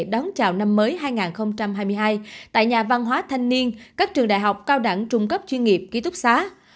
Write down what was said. đón chào năm mới hai nghìn hai mươi hai tại nhà văn hóa thanh niên các trường đại học cao đẳng trung cấp chuyên nghiệp ký túc xá